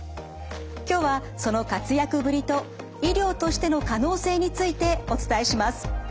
今日はその活躍ぶりと医療としての可能性についてお伝えします。